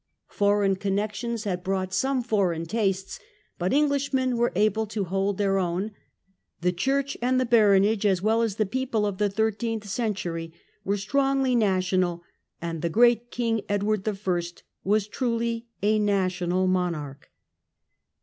Foreign con feeUnf. nexions had broi^ht some fore^ tastes, but Englishmen were able to hold their own; the church and the baronage, as well as the people of the thirteenth century, were strongly national, and the great King Ed ward I. was truly a national monarch.